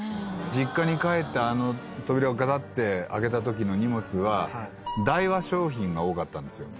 実家に帰ってあの扉をガタッて開けた時の荷物はダイワ商品が多かったんですよ。